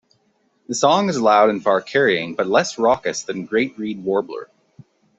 The song is loud and far carrying, but less raucous than great reed warbler.